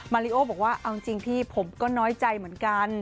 ริโอบอกว่าเอาจริงพี่ผมก็น้อยใจเหมือนกัน